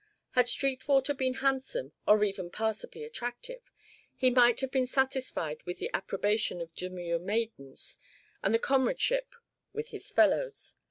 Had Sweetwater been handsome, or even passably attractive, he might have been satisfied with the approbation of demure maidens and a comradeship with his fellows.